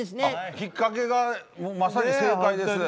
ひっかけがまさに正解です。